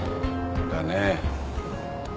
だね。